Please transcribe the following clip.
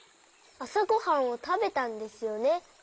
あさごはんをたべたんですよね。